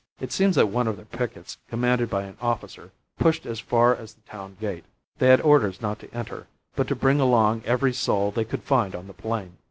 It seems that one of their pickets, commanded by an officer, pushed as far as the town gate. They had orders not to enter, but to bring along every soul they could find on the plain.